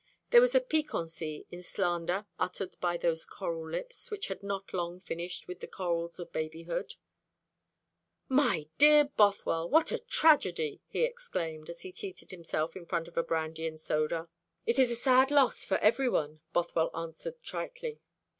There was a piquancy in slander uttered by those coral lips, which had not long finished with the corals of babyhood. "My dear Bothwell, what a tragedy!" he exclaimed, as he seated himself in front of a brandy and soda. "It is a sad loss for every one," Bothwell answered tritely.